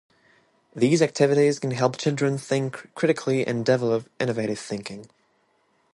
These activities can help children think critically and develop innovative thinking.